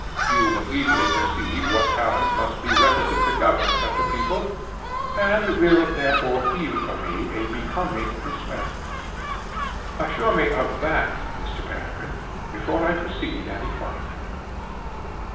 You will easily perceive what talents must be requisite to govern such a people, and will, therefore, feel for me a becoming respect. Assure me of that, Mr. Peregrine, before I proceed any farther."